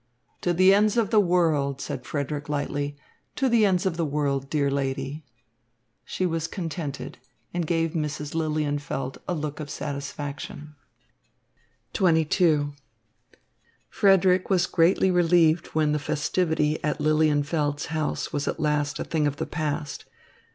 "To the ends of the world," said Frederick lightly, "to the ends of the world, dear lady." She was contented, and gave Mrs. Lilienfeld a look of satisfaction. XXII Frederick was greatly relieved when the festivity at Lilienfeld's house was at last a thing of the past.